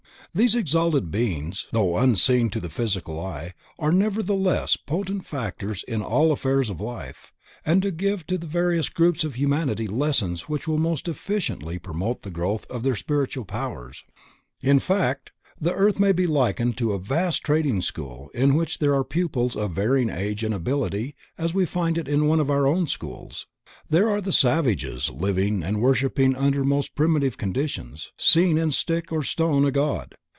These exalted Beings, though unseen to the physical eyes, are nevertheless potent factors in all affairs of life, and give to the various groups of humanity lessons which will most efficiently promote the growth of their spiritual powers. In fact, the earth may be likened to a vast training school in which there are pupils of varying age and ability as we find it in one of our own schools. There are the savages, living and worshipping under most primitive conditions, seeing in stick or stone a God.